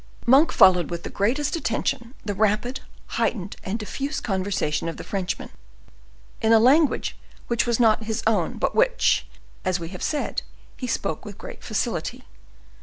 Monk followed with the greatest attention the rapid, heightened, and diffuse conversation of the fisherman, in a language which was not his own, but which, as we have said, he spoke with great facility.